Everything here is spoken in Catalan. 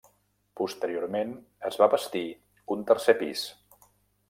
Posteriorment es va bastir un tercer pis.